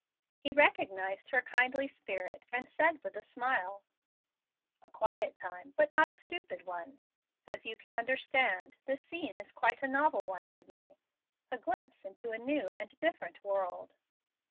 He recognized her kindly spirit, and said, with a smile, "A quiet time, but not a stupid one. As you can understand, this scene is a quite novel one to me, a glimpse into a new and different world."